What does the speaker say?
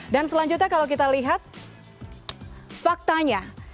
dan selanjutnya kalau kita lihat faktanya